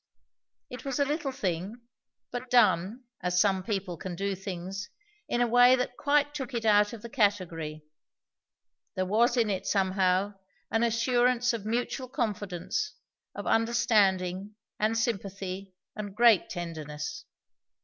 It was a little thing, but done, as some people can do things, in a way that quite took it out of the category. There was in it, somehow, an assurance of mutual confidence, of understanding, and sympathy, and great tenderness.